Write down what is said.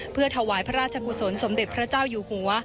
เพื่อถวายพระราชกุศลสมเด็จพระเจ้าอยู่หัว